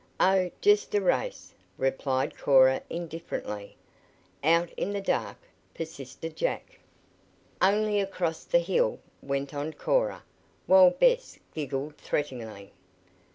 "Oh, just a race," replied Cora indifferently. "Out in the dark?" 'persisted Jack. "Only across the hill," went on Cora, while Bess giggled threateningly.